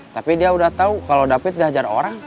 tapi dia udah tahu kalau david diajar orang